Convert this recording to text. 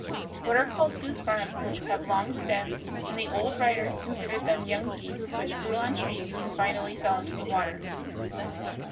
What are called goose barnacles have long stems, and the old writers considered them young geese which grew on trees and finally fell into the water.